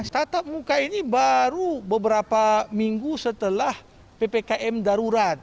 tatap muka ini baru beberapa minggu setelah ppkm darurat